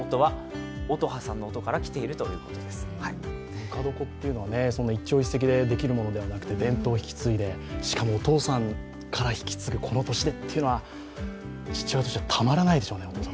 ぬか床というのは、一朝一夕でできるものではなくて伝統を引き継いで、しかもお父さんから引き継ぐ、この年でっていうのは父親としてはたまらないでしょうね。